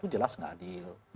jelas nggak adil